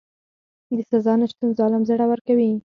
د سزا نشتون ظالم زړور کوي.